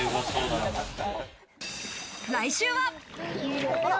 来週は。